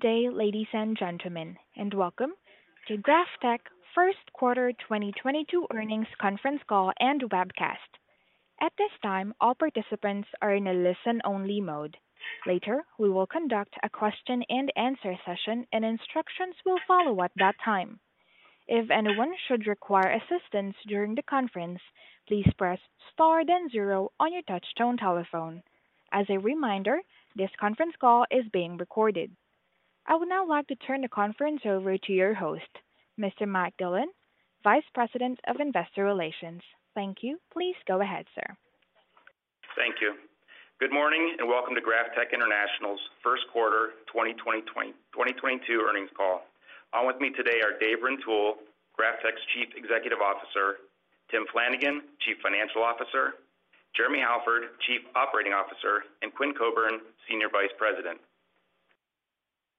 Good day, ladies and gentlemen, and welcome to GrafTech First Quarter 2022 Earnings Conference Call and Webcast. At this time, all participants are in a listen-only mode. Later, we will conduct a question-and-answer session, and instructions will follow at that time. If anyone should require assistance during the conference, please press star then zero on your touchtone telephone. As a reminder, this conference call is being recorded. I would now like to turn the conference over to your host, Mr. Mike Dillon, Vice President of Investor Relations. Thank you. Please go ahead, sir. Thank you. Good morning and welcome to GrafTech International's first quarter 2022 earnings call. On with me today are Dave Rintoul, GrafTech's Chief Executive Officer, Tim Flanagan, Chief Financial Officer, Jeremy Halford, Chief Operating Officer, and Quinn Coburn, Senior Vice President.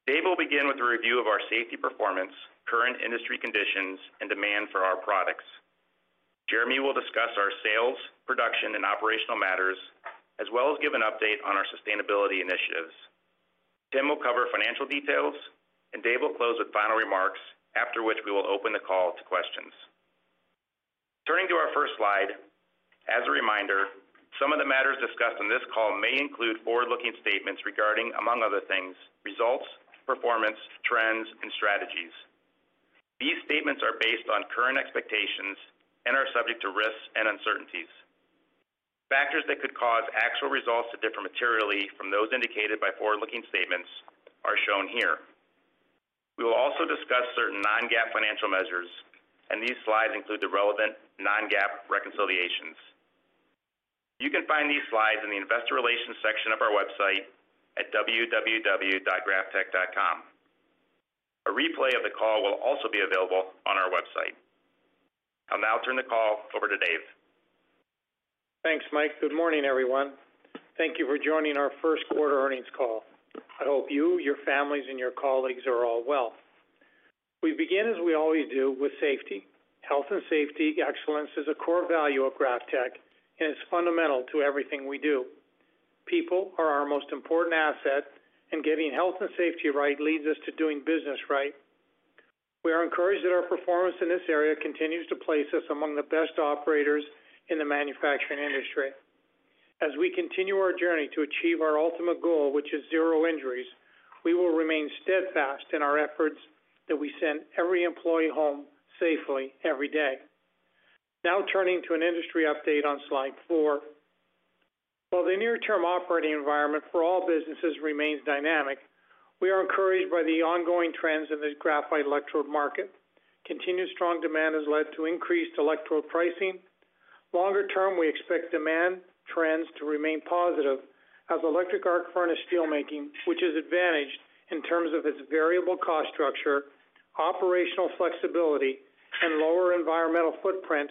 Dave will begin with a review of our safety performance, current industry conditions, and demand for our products. Jeremy will discuss our sales, production, and operational matters, as well as give an update on our sustainability initiatives. Tim will cover financial details, and Dave will close with final remarks, after which we will open the call to questions. Turning to our first slide, as a reminder, some of the matters discussed on this call may include forward-looking statements regarding, among other things, results, performance, trends, and strategies. These statements are based on current expectations and are subject to risks and uncertainties. Factors that could cause actual results to differ materially from those indicated by forward-looking statements are shown here. We will also discuss certain non-GAAP financial measures, and these slides include the relevant non-GAAP reconciliations. You can find these slides in the Investor Relations section of our website at www.graftech.com. A replay of the call will also be available on our website. I'll now turn the call over to Dave. Thanks, Mike. Good morning, everyone. Thank you for joining our first quarter earnings call. I hope you, your families, and your colleagues are all well. We begin, as we always do, with safety. Health and safety excellence is a core value of GrafTech, and it's fundamental to everything we do. People are our most important asset, and getting health and safety right leads us to doing business right. We are encouraged that our performance in this area continues to place us among the best operators in the manufacturing industry. As we continue our journey to achieve our ultimate goal, which is zero injuries, we will remain steadfast in our efforts that we send every employee home safely every day. Now turning to an industry update on slide four. While the near-term operating environment for all businesses remains dynamic, we are encouraged by the ongoing trends in the graphite electrode market. Continued strong demand has led to increased electrode pricing. Longer term, we expect demand trends to remain positive as electric arc furnace steelmaking, which is advantaged in terms of its variable cost structure, operational flexibility, and lower environmental footprint,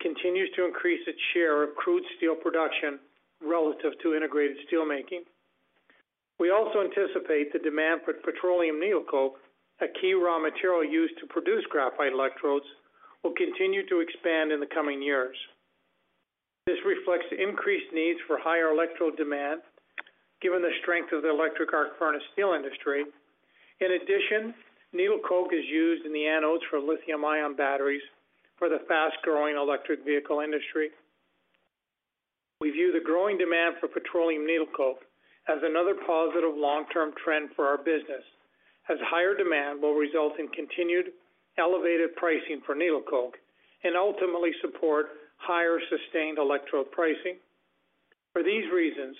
continues to increase its share of crude steel production relative to integrated steelmaking. We also anticipate the demand for petroleum needle coke, a key raw material used to produce graphite electrodes, will continue to expand in the coming years. This reflects increased needs for higher electrode demand, given the strength of the electric arc furnace steel industry. In addition, needle coke is used in the anodes for lithium-ion batteries for the fast-growing electric vehicle industry. We view the growing demand for petroleum needle coke as another positive long-term trend for our business, as higher demand will result in continued elevated pricing for needle coke and ultimately support higher sustained electrode pricing. For these reasons,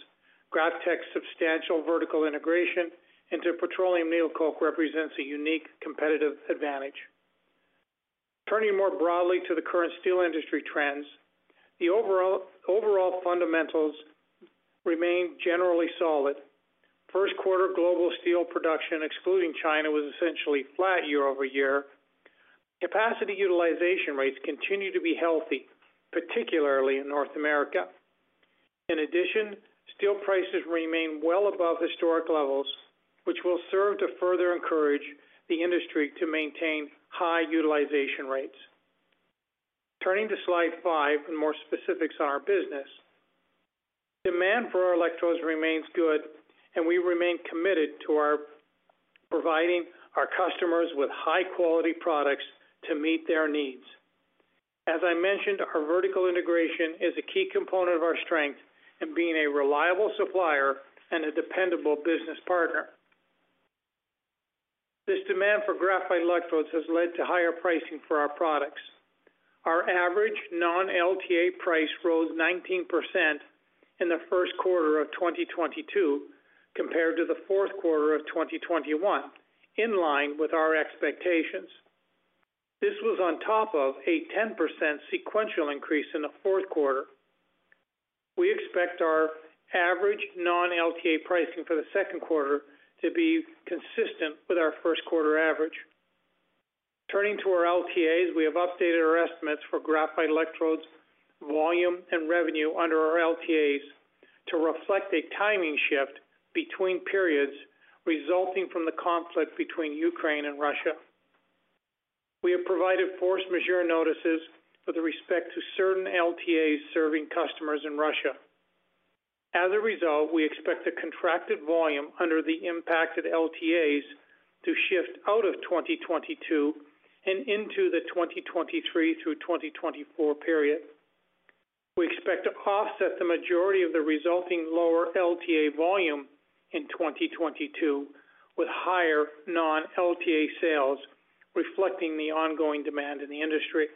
GrafTech's substantial vertical integration into petroleum needle coke represents a unique competitive advantage. Turning more broadly to the current steel industry trends, the overall fundamentals remain generally solid. First quarter global steel production, excluding China, was essentially flat year over year. Capacity utilization rates continue to be healthy, particularly in North America. In addition, steel prices remain well above historic levels, which will serve to further encourage the industry to maintain high utilization rates. Turning to slide five for more specifics on our business. Demand for our electrodes remains good, and we remain committed to providing our customers with high-quality products to meet their needs. As I mentioned, our vertical integration is a key component of our strength in being a reliable supplier and a dependable business partner. This demand for graphite electrodes has led to higher pricing for our products. Our average non-LTA price rose 19% in the first quarter of 2022 compared to the fourth quarter of 2021, in line with our expectations. This was on top of a 10% sequential increase in the fourth quarter. We expect our average non-LTA pricing for the second quarter to be consistent with our first quarter average. Turning to our LTAs, we have updated our estimates for graphite electrodes volume and revenue under our LTAs to reflect a timing shift between periods resulting from the conflict between Ukraine and Russia. We have provided force majeure notices with respect to certain LTAs serving customers in Russia. As a result, we expect the contracted volume under the impacted LTAs to shift out of 2022 and into the 2023 through 2024 period. We expect to offset the majority of the resulting lower LTA volume in 2022 with higher non-LTA sales, reflecting the ongoing demand in the industry.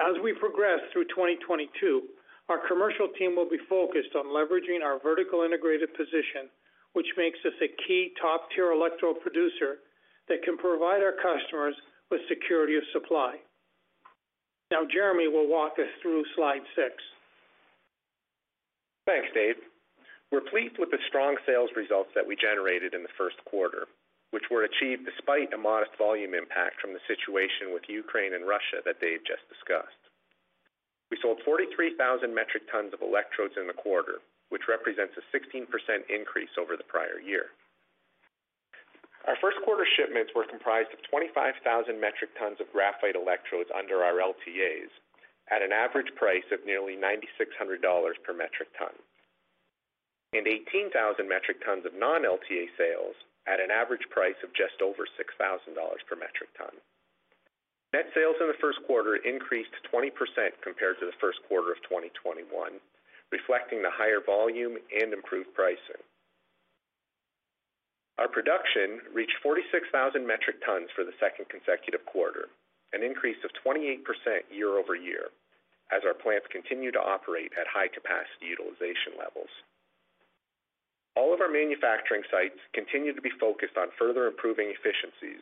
As we progress through 2022, our commercial team will be focused on leveraging our vertically integrated position, which makes us a key top-tier electrode producer that can provide our customers with security of supply. Now Jeremy will walk us through slide six. Thanks, Dave. We're pleased with the strong sales results that we generated in the first quarter, which were achieved despite a modest volume impact from the situation with Ukraine and Russia that Dave just discussed. We sold 43,000 metric tons of electrodes in the quarter, which represents a 16% increase over the prior year. Our first quarter shipments were comprised of 25,000 metric tons of graphite electrodes under our LTAs at an average price of nearly $9,600 per metric ton, and 18,000 metric tons of non-LTA sales at an average price of just over $6,000 per metric ton. Net sales in the first quarter increased 20% compared to the first quarter of 2021, reflecting the higher volume and improved pricing. Our production reached 46,000 metric tons for the second consecutive quarter, an increase of 28% year-over-year as our plants continue to operate at high capacity utilization levels. All of our manufacturing sites continue to be focused on further improving efficiencies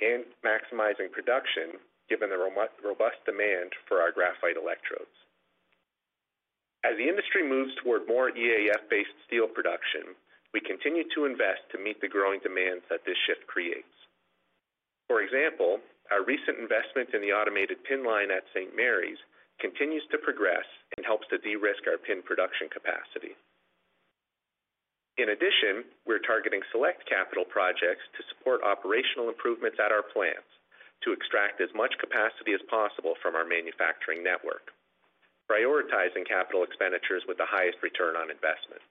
and maximizing production given the robust demand for our graphite electrodes. As the industry moves toward more EAF-based steel production, we continue to invest to meet the growing demands that this shift creates. For example, our recent investment in the automated pin line at St. Marys continues to progress and helps to de-risk our pin production capacity. In addition, we're targeting select capital projects to support operational improvements at our plants to extract as much capacity as possible from our manufacturing network, prioritizing capital expenditures with the highest return on investment.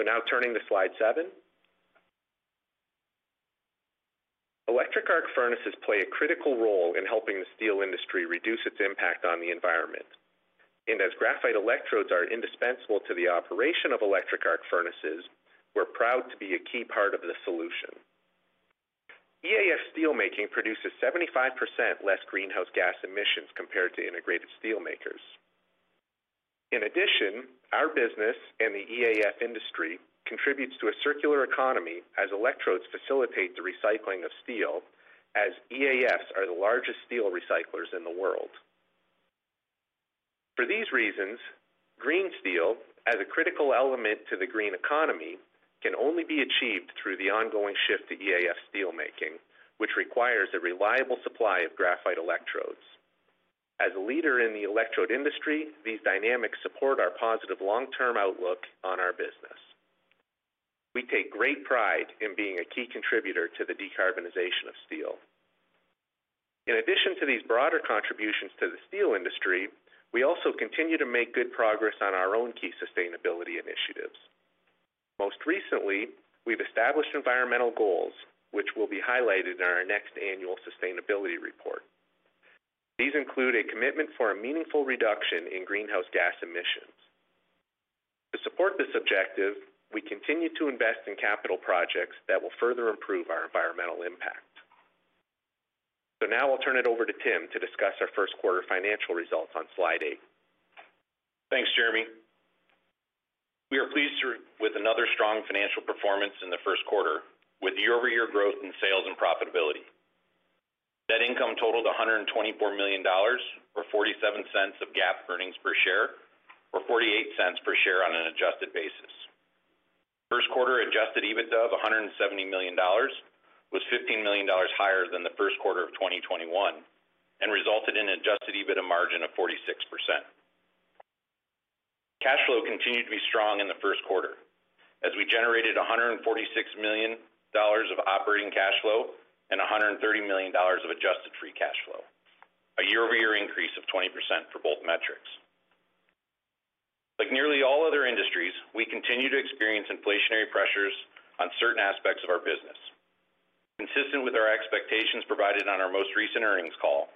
Now turning to slide seven. Electric arc furnaces play a critical role in helping the steel industry reduce its impact on the environment. As graphite electrodes are indispensable to the operation of electric arc furnaces, we're proud to be a key part of the solution. EAF steel making produces 75% less greenhouse gas emissions compared to integrated steel makers. In addition, our business and the EAF industry contributes to a circular economy as electrodes facilitate the recycling of steel as EAFs are the largest steel recyclers in the world. For these reasons, green steel, as a critical element to the green economy, can only be achieved through the ongoing shift to EAF steel making, which requires a reliable supply of graphite electrodes. As a leader in the electrode industry, these dynamics support our positive long-term outlook on our business. We take great pride in being a key contributor to the decarbonization of steel. In addition to these broader contributions to the steel industry, we also continue to make good progress on our own key sustainability initiatives. Most recently, we've established environmental goals, which will be highlighted in our next annual sustainability report. These include a commitment for a meaningful reduction in greenhouse gas emissions. To support this objective, we continue to invest in capital projects that will further improve our environmental impact. Now I'll turn it over to Tim to discuss our first quarter financial results on slide eight. Thanks, Jeremy. We are pleased with another strong financial performance in the first quarter, with year-over-year growth in sales and profitability. Net income totaled $124 million or $0.47 of GAAP earnings per share or $0.48 per share on an adjusted basis. First quarter adjusted EBITDA of $170 million was $15 million higher than the first quarter of 2021 and resulted in adjusted EBITDA margin of 46%. Cash flow continued to be strong in the first quarter as we generated $146 million of operating cash flow and $130 million of adjusted free cash flow, a year-over-year increase of 20% for both metrics. Like nearly all other industries, we continue to experience inflationary pressures on certain aspects of our business. Consistent with our expectations provided on our most recent earnings call,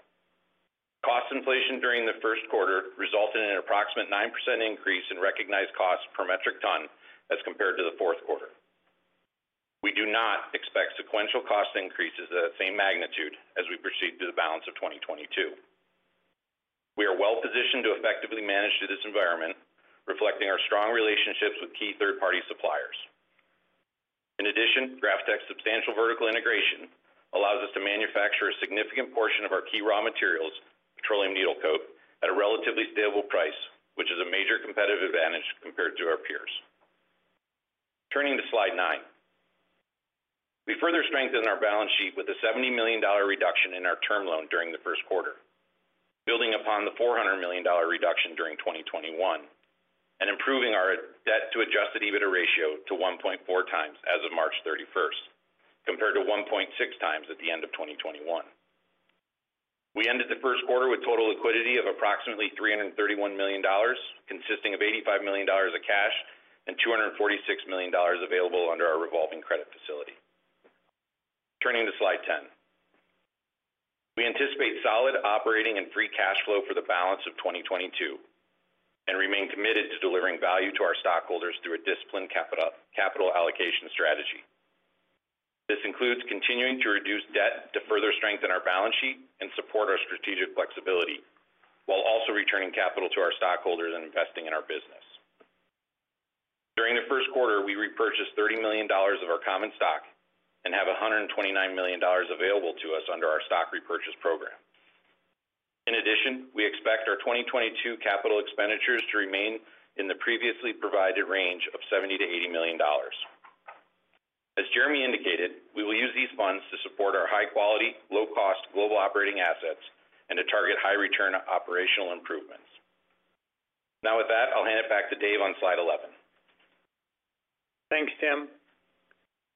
cost inflation during the first quarter resulted in an approximate 9% increase in recognized costs per metric ton as compared to the fourth quarter. We do not expect sequential cost increases at the same magnitude as we proceed through the balance of 2022. We are well positioned to effectively manage through this environment, reflecting our strong relationships with key third-party suppliers. In addition, GrafTech's substantial vertical integration allows us to manufacture a significant portion of our key raw materials, petroleum needle coke, at a relatively stable price, which is a major competitive advantage compared to our peers. Turning to slide nine. We further strengthened our balance sheet with a $70 million reduction in our term loan during the first quarter, building upon the $400 million reduction during 2021. Improving our debt to adjusted EBITDA ratio to 1.4x as of March 31, compared to 1.6x at the end of 2021. We ended the first quarter with total liquidity of approximately $331 million, consisting of $85 million of cash and $246 million available under our revolving credit facility. Turning to slide 10. We anticipate solid operating and free cash flow for the balance of 2022 and remain committed to delivering value to our stockholders through a disciplined capital allocation strategy. This includes continuing to reduce debt to further strengthen our balance sheet and support our strategic flexibility, while also returning capital to our stockholders and investing in our business. During the first quarter, we repurchased $30 million of our common stock and have $129 million available to us under our stock repurchase program. In addition, we expect our 2022 capital expenditures to remain in the previously provided range of $70 million-$80 million. As Jeremy indicated, we will use these funds to support our high quality, low cost global operating assets and to target high return operational improvements. Now with that, I'll hand it back to Dave on slide 11. Thanks, Tim.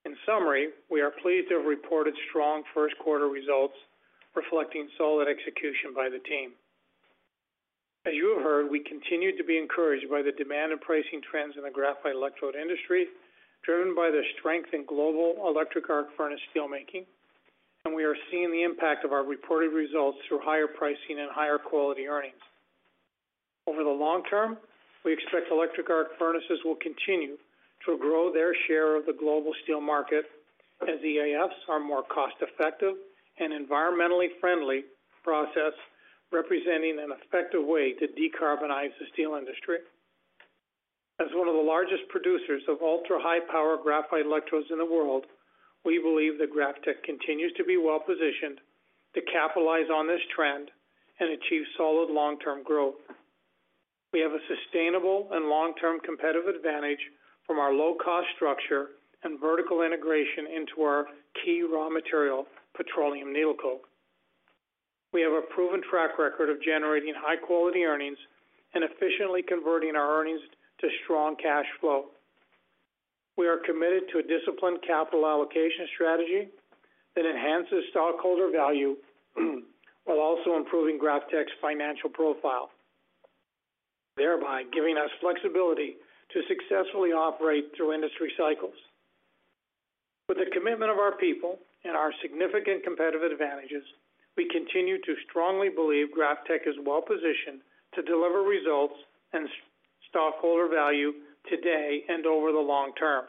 In summary, we are pleased to have reported strong first quarter results reflecting solid execution by the team. As you have heard, we continue to be encouraged by the demand and pricing trends in the graphite electrode industry, driven by the strength in global electric arc furnace steel making, and we are seeing the impact of our reported results through higher pricing and higher quality earnings. Over the long term, we expect electric arc furnaces will continue to grow their share of the global steel market as EAFs are more cost-effective and environmentally friendly process, representing an effective way to decarbonize the steel industry. As one of the largest producers of ultra-high power graphite electrodes in the world, we believe that GrafTech continues to be well-positioned to capitalize on this trend and achieve solid long-term growth. We have a sustainable and long-term competitive advantage from our low-cost structure and vertical integration into our key raw material, petroleum needle coke. We have a proven track record of generating high quality earnings and efficiently converting our earnings to strong cash flow. We are committed to a disciplined capital allocation strategy that enhances stockholder value while also improving GrafTech's financial profile, thereby giving us flexibility to successfully operate through industry cycles. With the commitment of our people and our significant competitive advantages, we continue to strongly believe GrafTech is well-positioned to deliver results and stockholder value today and over the long term.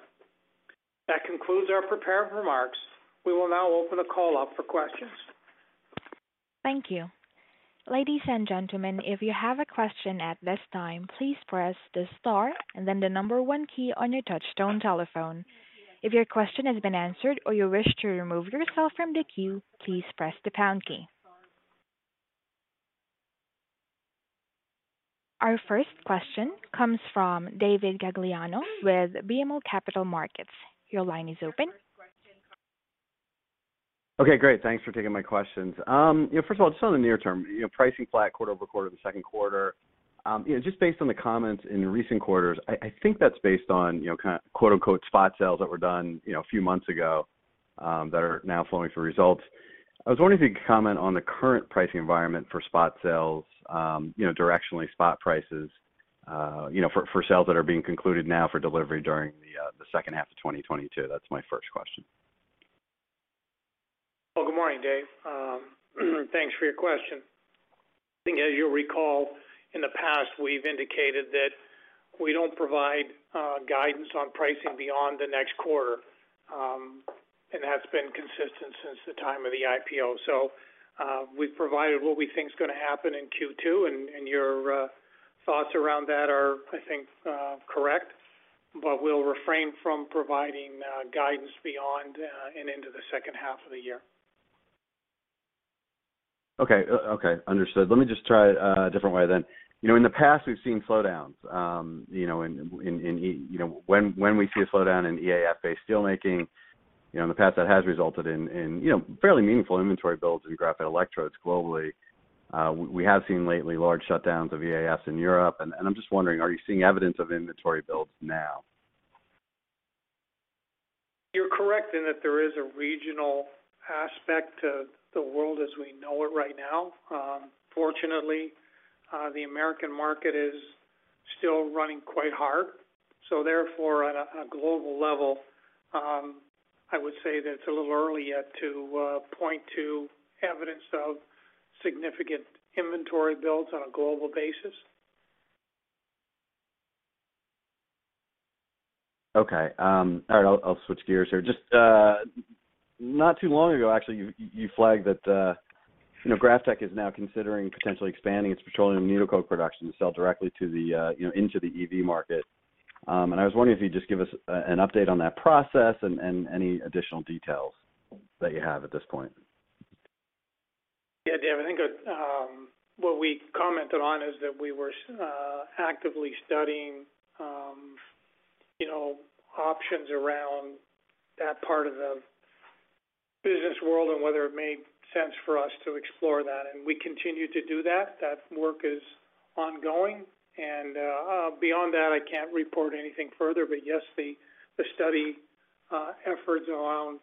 That concludes our prepared remarks. We will now open the call up for questions. Thank you. Ladies and gentlemen, if you have a question at this time, please press the star and then the number one key on your touchtone telephone. If your question has been answered or you wish to remove yourself from the queue, please press the pound key. Our first question comes from David Gagliano with BMO Capital Markets. Your line is open. Okay, great. Thanks for taking my questions. You know, first of all, just on the near term, you know, pricing flat quarter-over-quarter, the second quarter. You know, just based on the comments in recent quarters, I think that's based on, you know, kind of quote-unquote spot sales that were done, you know, a few months ago, that are now flowing through results. I was wondering if you could comment on the current pricing environment for spot sales, you know, directionally spot prices, you know, for sales that are being concluded now for delivery during the second half of 2022. That's my first question. Well, good morning, Dave. Thanks for your question. I think as you'll recall, in the past, we've indicated that we don't provide guidance on pricing beyond the next quarter, and has been consistent since the time of the IPO. We've provided what we think is gonna happen in Q2, and your thoughts around that are, I think, correct. We'll refrain from providing guidance beyond and into the second half of the year. Okay. Understood. Let me just try it a different way then. You know, in the past we've seen slowdowns, you know, in, you know, when we see a slowdown in EAF-based steelmaking, you know, in the past, that has resulted in, you know, fairly meaningful inventory builds in graphite electrodes globally. We have seen lately large shutdowns of EAFs in Europe. I'm just wondering, are you seeing evidence of inventory builds now? You're correct in that there is a regional aspect to the world as we know it right now. Fortunately, the American market is still running quite hard. Therefore, on a global level, I would say that it's a little early yet to point to evidence of significant inventory builds on a global basis. Okay. All right, I'll switch gears here. Just not too long ago, actually, you flagged that, you know, GrafTech is now considering potentially expanding its petroleum needle coke production to sell directly to the, you know, into the EV market. And I was wondering if you'd just give us an update on that process and any additional details that you have at this point. Yeah. Dave, I think what we commented on is that we were actively studying. You know, options around that part of the business world and whether it made sense for us to explore that. We continue to do that. That work is ongoing. Beyond that, I can't report anything further. Yes, the study efforts around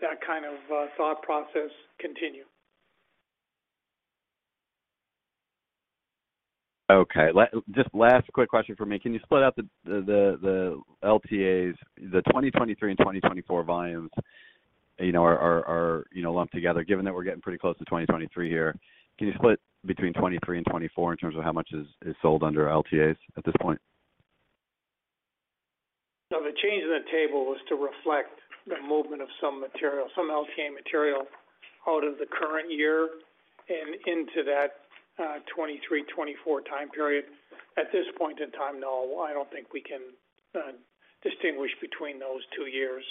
that kind of thought process continue. Okay. Just last quick question for me. Can you split out the LTAs, the 2023 and 2024 volumes, you know, are lumped together, given that we're getting pretty close to 2023 here. Can you split between 2023 and 2024 in terms of how much is sold under LTAs at this point? The change in the table was to reflect the movement of some material, some LTA material out of the current year and into that 2023/2024 time period. At this point in time, no, I don't think we can distinguish between those two years.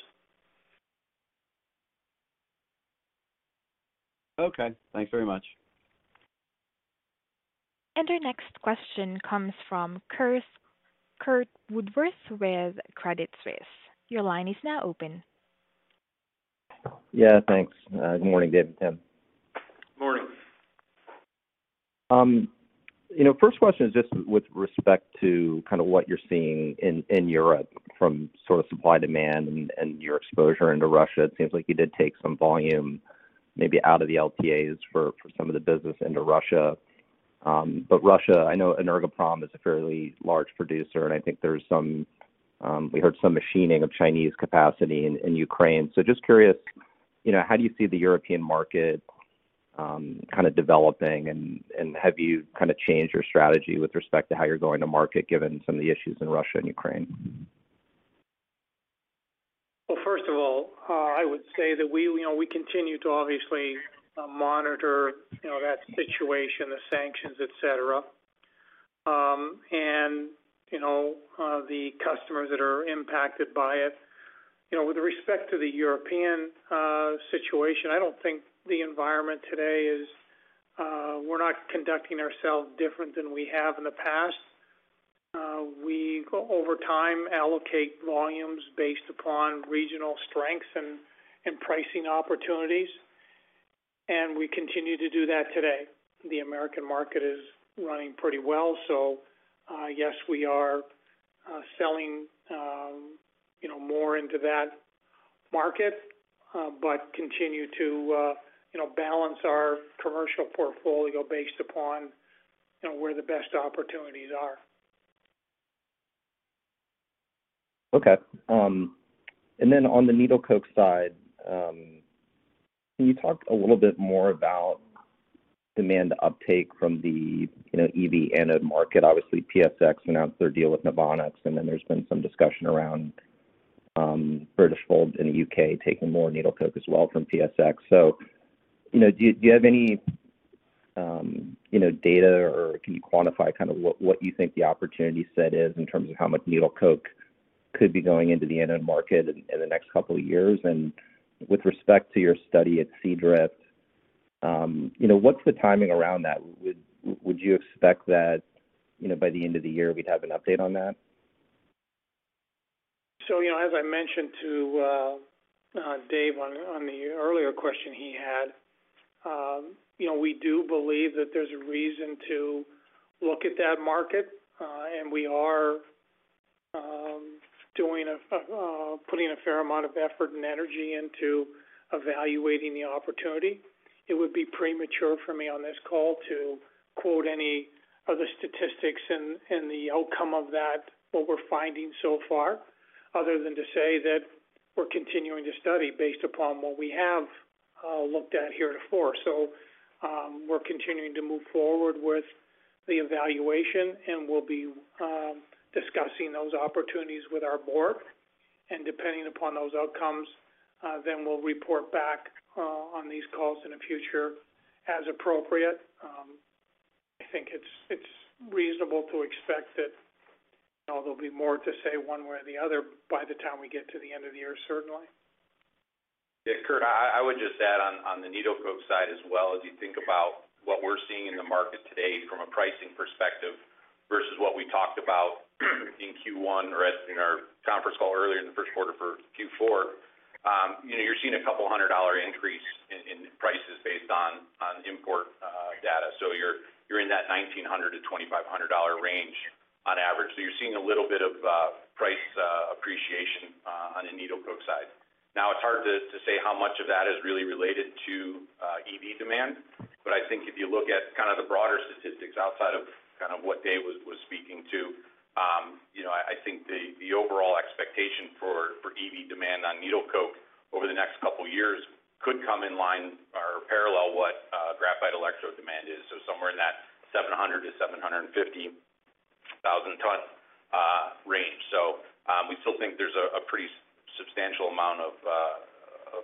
Okay, thanks very much. Our next question comes from Curt Woodworth with Credit Suisse. Your line is now open. Yeah, thanks. Good morning, Dave and Tim. Morning. You know, first question is just with respect to kind of what you're seeing in Europe from sort of supply, demand and your exposure into Russia. It seems like you did take some volume maybe out of the LTAs for some of the business into Russia. Russia, I know Energoprom is a fairly large producer, and I think there's some, we heard some machining of Chinese capacity in Ukraine. Just curious, you know, how do you see the European market kind of developing, and have you kind of changed your strategy with respect to how you're going to market given some of the issues in Russia and Ukraine? Well, first of all, I would say that we, you know, we continue to obviously monitor, you know, that situation, the sanctions, et cetera. You know, the customers that are impacted by it. You know, with respect to the European situation, I don't think the environment today is. We're not conducting ourselves different than we have in the past. We over time allocate volumes based upon regional strengths and pricing opportunities, and we continue to do that today. The American market is running pretty well. Yes, we are selling you know more into that market, but continue to you know balance our commercial portfolio based upon you know where the best opportunities are. Okay. Then on the needle coke side, can you talk a little bit more about demand uptake from the, you know, EV anode market? Obviously, PSX announced their deal with NOVONIX, and then there's been some discussion around British Steel in the UK taking more needle coke as well from PSX. You know, do you have any, you know, data, or can you quantify kind of what you think the opportunity set is in terms of how much needle coke could be going into the anode market in the next couple of years? With respect to your study at Seadrift, you know, what's the timing around that? Would you expect that, you know, by the end of the year we'd have an update on that? You know, as I mentioned to Dave on the earlier question he had, you know, we do believe that there's a reason to look at that market, and we are putting a fair amount of effort and energy into evaluating the opportunity. It would be premature for me on this call to quote any of the statistics and the outcome of that, what we're finding so far, other than to say that we're continuing to study based upon what we have looked at heretofore. We're continuing to move forward with the evaluation, and we'll be discussing those opportunities with our board. Depending upon those outcomes, then we'll report back on these calls in the future as appropriate. I think it's reasonable to expect that there'll be more to say one way or the other by the time we get to the end of the year, certainly. Yeah, Curt, I would just add on the needle coke side as well, as you think about what we're seeing in the market today from a pricing perspective versus what we talked about in Q1 or as in our conference call earlier in the first quarter for Q4, you know, you're seeing a $200 increase in prices based on import data. You're in that $1,900-$2,500 range on average. You're seeing a little bit of price appreciation on the needle coke side. Now it's hard to say how much of that is really related to EV demand. I think if you look at kind of the broader statistics outside of kind of what Dave was speaking to, you know, I think the overall expectation for EV demand on needle coke over the next couple years could come in line or parallel what graphite electrode demand is. Somewhere in that 700-750,000 ton range. We still think there's a pretty substantial amount of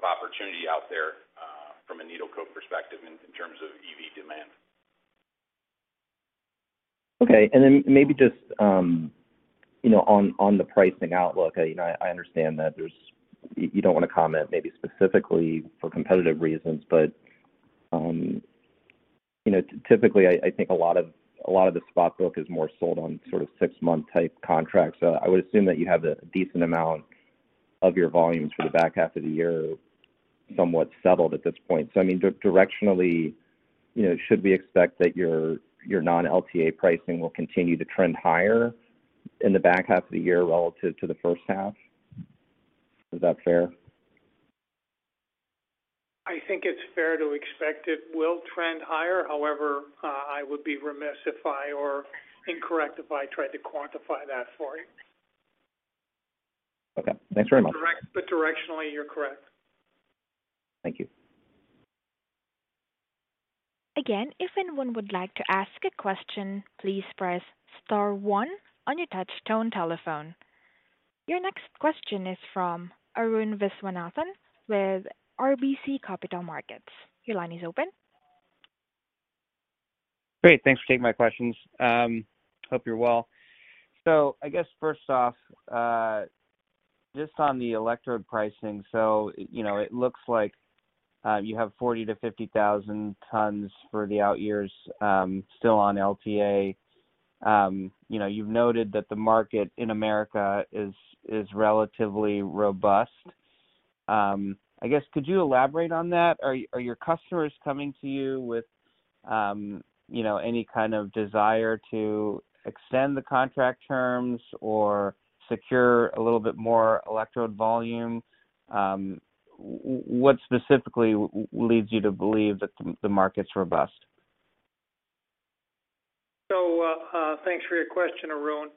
opportunity out there from a needle coke perspective in terms of EV demand. Okay. Maybe just, you know, on the pricing outlook, you know, I understand that you don't wanna comment maybe specifically for competitive reasons. You know, typically, I think a lot of the spot book is more sold on sort of six-month type contracts. I would assume that you have a decent amount of your volume for the back half of the year somewhat settled at this point. I mean, directionally, you know, should we expect that your non-LTA pricing will continue to trend higher in the back half of the year relative to the first half? Is that fair? I think it's fair to expect it will trend higher. However, I would be remiss or incorrect if I tried to quantify that for you. Okay. Thanks very much. Directionally, you're correct. Thank you. Again, if anyone would like to ask a question, please press star one on your touch tone telephone. Your next question is from Arun Viswanathan with RBC Capital Markets. Your line is open. Great. Thanks for taking my questions. Hope you're well. I guess first off, just on the electrode pricing. You know, it looks like you have 40,000-50,000 tons for the out years, still on LTA. You know, you've noted that the market in America is relatively robust. I guess could you elaborate on that? Are your customers coming to you with you know, any kind of desire to extend the contract terms or secure a little bit more electrode volume? What specifically leads you to believe that the market's robust? Thanks for your question, Arun.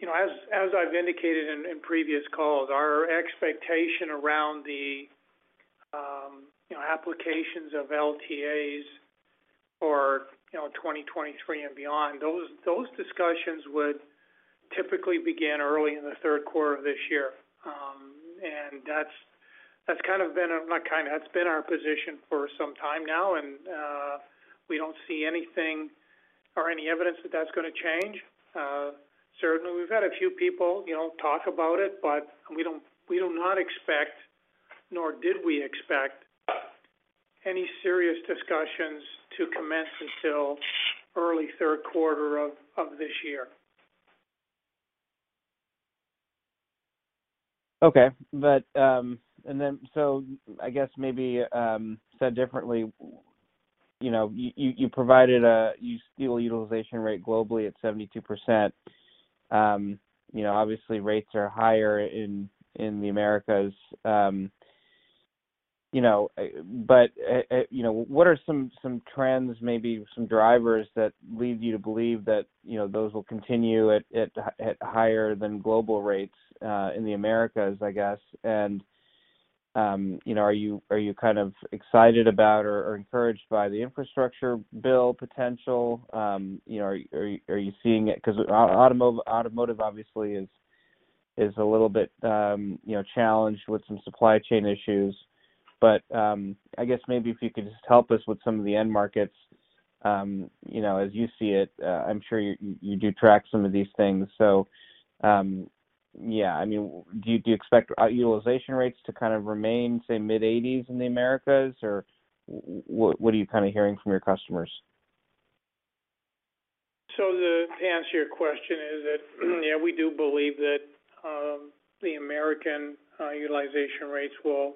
You know, as I've indicated in previous calls, our expectation around the applications of LTAs for 2023 and beyond, those discussions would typically begin early in the third quarter of this year. That's been our position for some time now, and we don't see anything or any evidence that that's gonna change. Certainly we've had a few people, you know, talk about it, but we don't, we do not expect nor did we expect any serious discussions to commence until early third quarter of this year. Okay. Said differently, you know, you provided a steel utilization rate globally at 72%. You know, obviously rates are higher in the Americas, you know. What are some trends, maybe some drivers that lead you to believe that, you know, those will continue at higher than global rates in the Americas, I guess? You know, are you kind of excited about or encouraged by the infrastructure bill potential? You know, are you seeing it? Because automotive obviously is a little bit, you know, challenged with some supply chain issues. I guess maybe if you could just help us with some of the end markets, you know, as you see it. I'm sure you do track some of these things. Yeah. I mean, do you expect utilization rates to kind of remain, say, mid-80s in the Americas? Or what are you kind of hearing from your customers? The answer to your question is that, yeah, we do believe that the American utilization rates will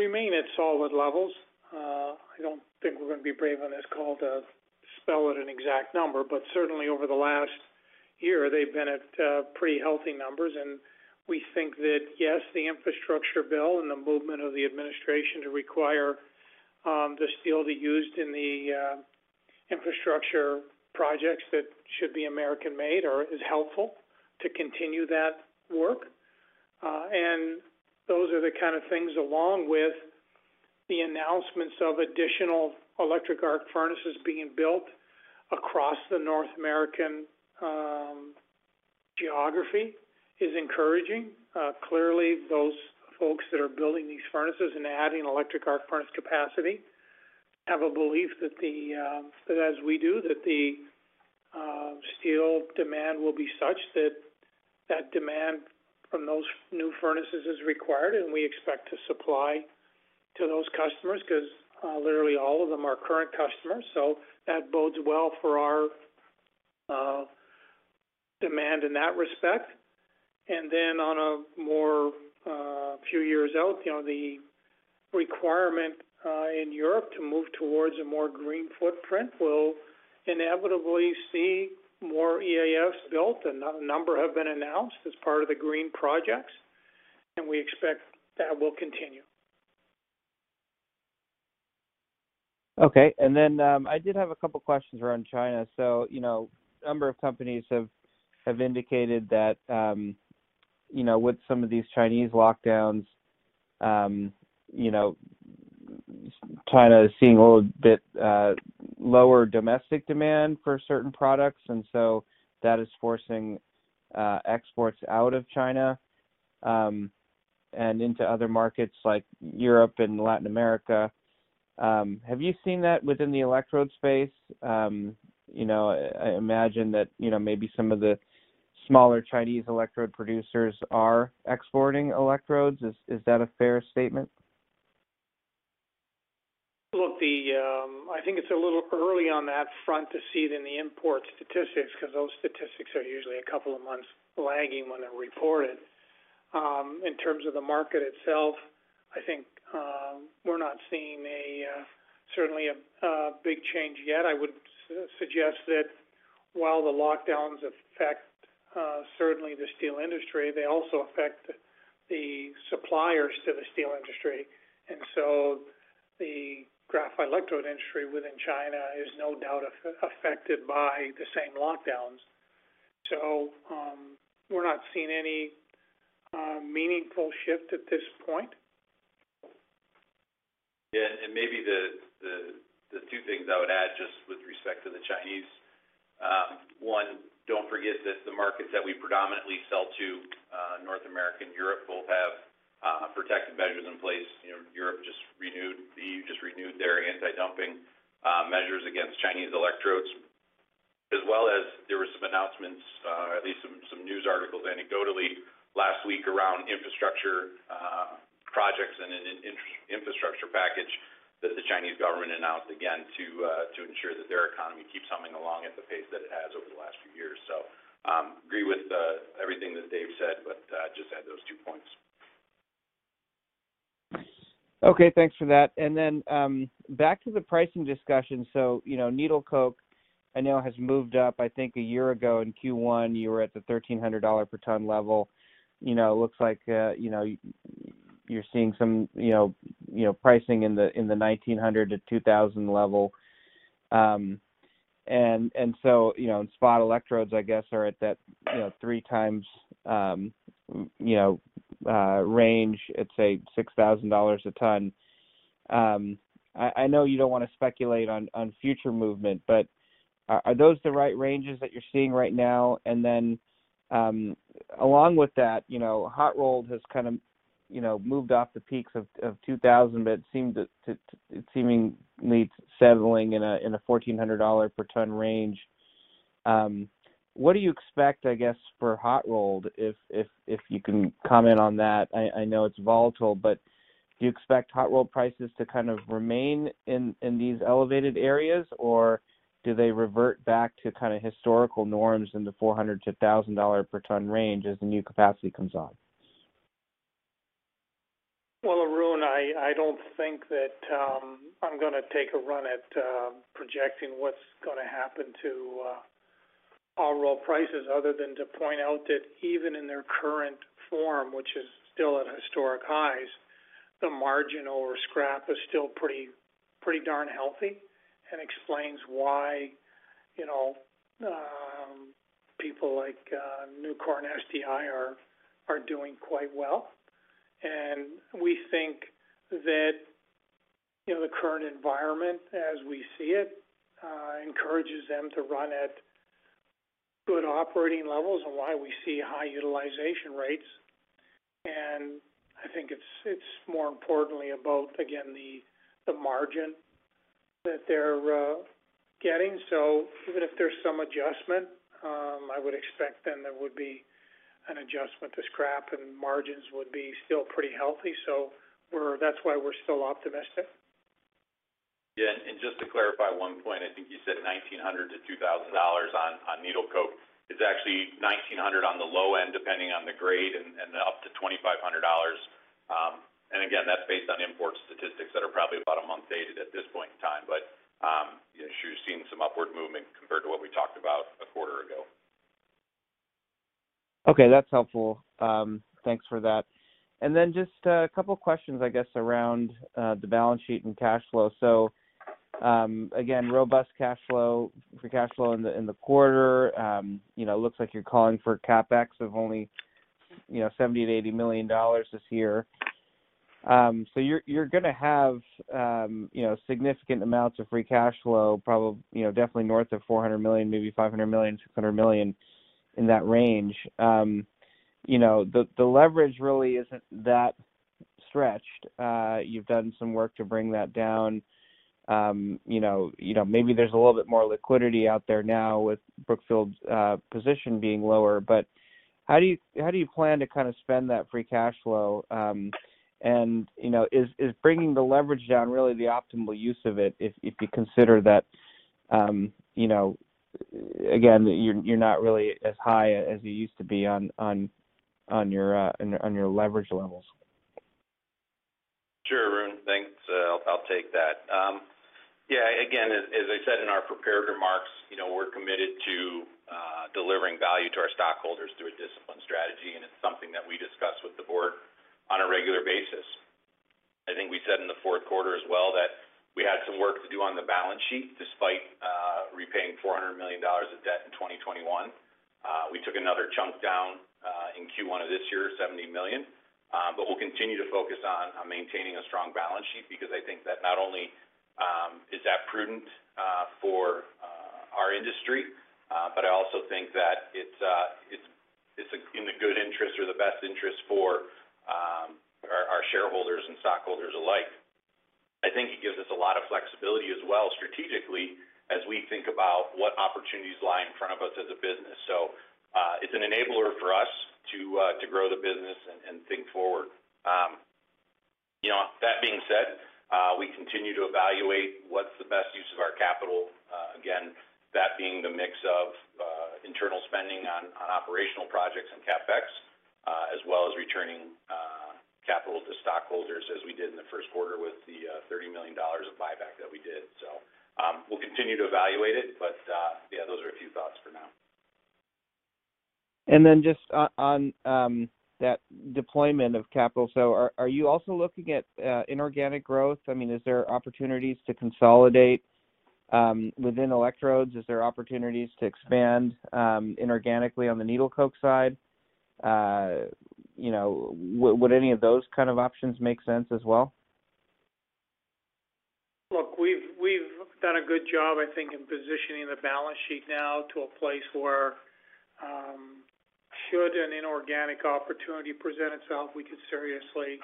remain at solid levels. I don't think we're gonna be brave on this call to spell out an exact number, but certainly over the last year, they've been at pretty healthy numbers. We think that, yes, the infrastructure bill and the movement of the administration to require the steel to be used in the infrastructure projects that should be American-made is helpful to continue that work. Those are the kind of things along with the announcements of additional electric arc furnaces being built across the North American geography is encouraging. Clearly, those folks that are building these furnaces and adding electric arc furnace capacity have a belief that as we do, the steel demand will be such that that demand from those new furnaces is required, and we expect to supply to those customers because literally all of them are current customers. So that bodes well for our demand in that respect. Then, a few more years out, you know, the requirement in Europe to move towards a more green footprint will inevitably see more EAFs built, and a number have been announced as part of the green projects, and we expect that will continue. Okay. I did have a couple questions around China. You know, a number of companies have indicated that, you know, with some of these Chinese lockdowns, you know, China is seeing a little bit lower domestic demand for certain products, and so that is forcing exports out of China and into other markets like Europe and Latin America. Have you seen that within the electrode space? You know, I imagine that, you know, maybe some of the smaller Chinese electrode producers are exporting electrodes. Is that a fair statement? I think it's a little early on that front to see it in the import statistics because those statistics are usually a couple of months lagging when they're reported. In terms of the market itself, I think we're not seeing certainly a big change yet. I would suggest that while the lockdowns affect certainly the steel industry, they also affect the suppliers to the steel industry. The graphite electrode industry within China is no doubt affected by the same lockdowns. We're not seeing any meaningful shift at this point. Yeah. Maybe the two things I would add just with respect to the Chinese, one, don't forget that the markets that we predominantly sell to, North America and Europe both have protective measures in place. You know, the EU just renewed their anti-dumping measures against Chinese electrodes. As well as there were some announcements, at least some news articles anecdotally last week around infrastructure projects and an infrastructure package that the Chinese government announced again to ensure that their economy keeps humming along at the pace that it has over the last few years. Agree with everything that Dave said, but just add those two points. Okay, thanks for that. Back to the pricing discussion. You know, needle coke I know has moved up. I think a year ago in Q1, you were at the $1,300 per ton level. You know, it looks like you know you're seeing some you know pricing in the $1,900-$2,000 level. And so you know in spot electrodes I guess are at that you know 3x you know range at say $6,000 a ton. I know you don't wanna speculate on future movement, but are those the right ranges that you're seeing right now? Along with that, you know, hot-rolled has kind of you know moved off the peaks of $2,000, but it seemed to. It's seemingly settling in a $1,400 per ton range. What do you expect, I guess, for hot-rolled, if you can comment on that? I know it's volatile, but do you expect hot-rolled prices to kind of remain in these elevated areas, or do they revert back to kind of historical norms in the $400-$1,000 per ton range as the new capacity comes on? Well, Arun, I don't think that I'm gonna take a run at projecting what's gonna happen to our raw prices other than to point out that even in their current form, which is still at historic highs, the margin over scrap is still pretty darn healthy and explains why, you know, people like Nucor and SDI are doing quite well. We think that, you know, the current environment as we see it encourages them to run at good operating levels and why we see high utilization rates. I think it's more importantly about, again, the margin that they're getting. Even if there's some adjustment, I would expect then there would be an adjustment to scrap, and margins would be still pretty healthy. We're. That's why we're still optimistic. Yeah. Just to clarify one point, I think you said $1,900-$2,000 on needle coke. It's actually $1,900 on the low end, depending on the grade, and up to $2,500. Again, that's based on import statistics that are probably about a month dated at this point in time. Yeah, sure seeing some upward movement compared to what we talked about a quarter ago. Okay, that's helpful. Thanks for that. Just a couple of questions, I guess, around the balance sheet and cash flow. Again, robust cash flow, free cash flow in the quarter. You know, looks like you're calling for CapEx of only, you know, $70-$80 million this year. You're gonna have, you know, significant amounts of free cash flow, you know, definitely north of $400 million, maybe $500 million, $600 million in that range. You know, the leverage really isn't that stretched. You've done some work to bring that down. You know, maybe there's a little bit more liquidity out there now with Brookfield's position being lower. How do you plan to kind of spend that free cash flow? You know, is bringing the leverage down really the optimal use of it if you consider that, you know, again, you're not really as high as you used to be on your leverage levels? Sure, Arun. Thanks. I'll take that. Yeah, again, as I said in our prepared remarks, you know, we're committed to delivering value to our stockholders through a disciplined strategy, and it's something that we discuss with the board on a regular basis. I think we said in the fourth quarter as well that we had some work to do on the balance sheet despite repaying $400 million of debt in 2021. We took another chunk down in Q1 of this year, $70 million. We'll continue to focus on maintaining a strong balance sheet because I think that not only is that prudent for our industry, but I also think that it's in the good interest or the best interest for our shareholders and stockholders alike. I think it gives us a lot of flexibility as well strategically, as we think about what opportunities lie in front of us as a business. It's an enabler for us to grow the business and think forward. You know, that being said, we continue to evaluate what's the best use of our capital, again, that being the mix of internal spending on operational projects and CapEx, as well as returning capital to stockholders as we did in the first quarter with the $30 million of buyback that we did. We'll continue to evaluate it. Yeah, those are a few thoughts for now. Just on that deployment of capital. Are you also looking at inorganic growth? I mean, is there opportunities to consolidate within electrodes? Is there opportunities to expand inorganically on the needle coke side? You know, would any of those kind of options make sense as well? Look, we've done a good job, I think, in positioning the balance sheet now to a place where should an inorganic opportunity present itself, we could seriously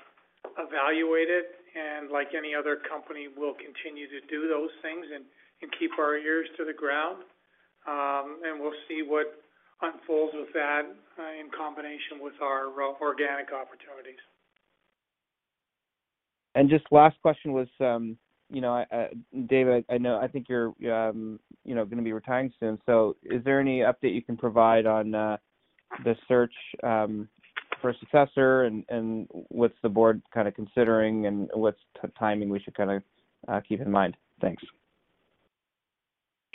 evaluate it. Like any other company, we'll continue to do those things and keep our ears to the ground. We'll see what unfolds with that in combination with our organic opportunities. Just last question was, you know, Dave, I know, I think you're, you know, gonna be retiring soon, so is there any update you can provide on the search for a successor and what's the board kind of considering and what's the timing we should kinda keep in mind? Thanks.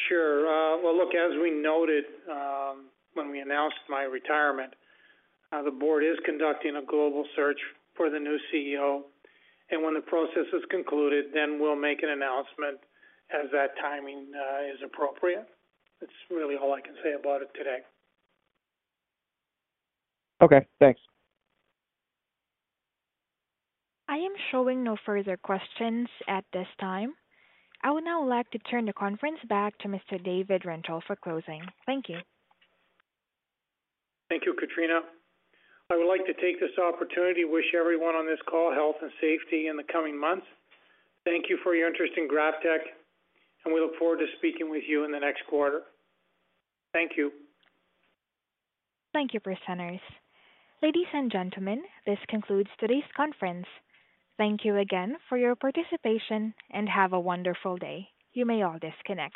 Sure. Well, look, as we noted, when we announced my retirement, the board is conducting a global search for the new CEO, and when the process is concluded, then we'll make an announcement as that timing is appropriate. That's really all I can say about it today. Okay, thanks. I am showing no further questions at this time. I would now like to turn the conference back to Mr. David Rintoul for closing. Thank you. Thank you, Katrina. I would like to take this opportunity to wish everyone on this call health and safety in the coming months. Thank you for your interest in GrafTech, and we look forward to speaking with you in the next quarter. Thank you. Thank you, presenters. Ladies and gentlemen, this concludes today's conference. Thank you again for your participation, and have a wonderful day. You may all disconnect.